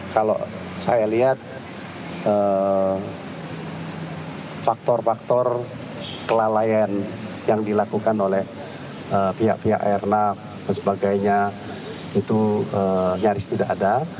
kalau saya lihat faktor faktor kelalaian yang dilakukan oleh pihak pihak airnav dan sebagainya itu nyaris tidak ada